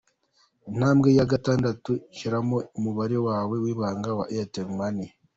Intambwe ya gatandatu, shyiramo umubare wawe w’ibanga wa Airtel Money.